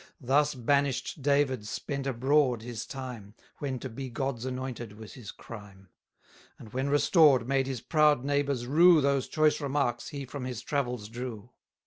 Thus banish'd David spent abroad his time, When to be God's anointed was his crime; 80 And when restored, made his proud neighbours rue Those choice remarks he from his travels drew.